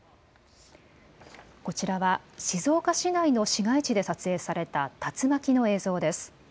こちらは静岡市内の市街地で撮影された竜巻の映像です。